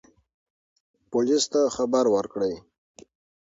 پولیس ته خبر ورکړئ.